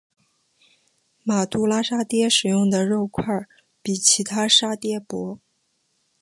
马都拉沙嗲使用的肉块比其他沙嗲薄。